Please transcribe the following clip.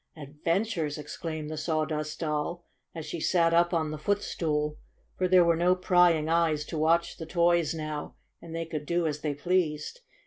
"Adventures!" exclaimed the Sawdust Doll, as she sat up on the footstool, for there were no prying eyes to watch the toys now, and they could do as they pleased.